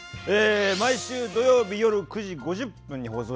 毎週土曜日夜９時５０分に放送しております